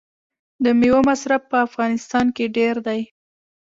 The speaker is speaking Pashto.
د میوو مصرف په افغانستان کې ډیر دی.